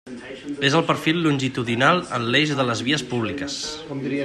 És el perfil longitudinal en l'eix de les vies públiques.